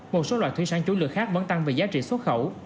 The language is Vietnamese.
một số loại thủy sản chủ lực khác vẫn tăng về giá trị xuất khẩu